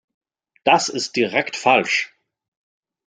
Das ist direkt falsch.